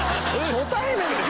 初対面で。